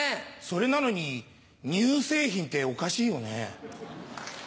それなのにニュ製品っておかしいよね。